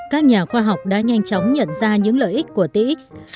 các nhà khoa học đã nhanh chóng nhận ra những lợi ích của tia x